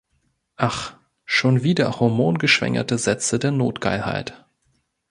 Ach, schon wieder hormongeschwängerte Sätze der Notgeilheit.